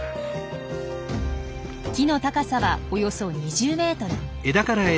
木の高さはおよそ２０ｍ。